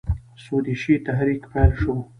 سودیشي تحریک پیل شو.